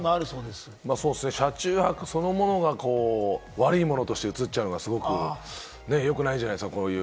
車中泊そのものが悪いものとして映っちゃうのがすごくよくないじゃないですか。